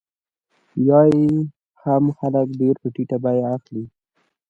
یا یې هم خلک په ډېره ټیټه بیه اخلي